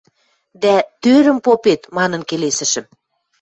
дӓ «тӧрӹм попет» манын келесӹшӹм.